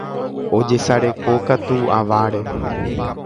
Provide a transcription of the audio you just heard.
Ojesarekokatu aváre.